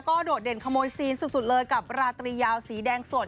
โดดเด่นขโมยซีนสุดเลยกับราตรียาวสีแดงสด